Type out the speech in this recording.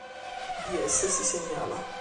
Di esse si segnala